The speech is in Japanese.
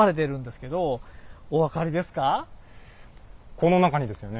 この中にですよね？